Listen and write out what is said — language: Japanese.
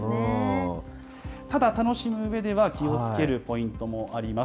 ただ、楽しむうえでは気をつけるポイントもあります。